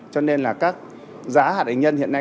cho nên giá hạt hình nhân hiện nay